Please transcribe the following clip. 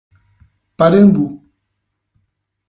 Parambu